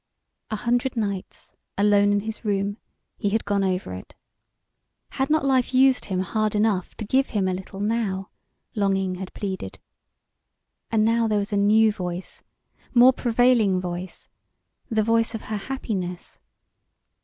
A hundred nights, alone in his room, he had gone over it. Had not life used him hard enough to give him a little now? longing had pleaded. And now there was a new voice more prevailing voice the voice of her happiness.